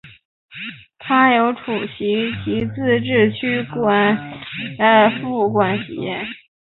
它由楚科奇自治区负责管辖。